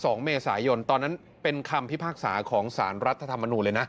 สองเมษายนตอนนั้นเป็นคำพิพากษาของสารรัฐธรรมนูญเลยนะ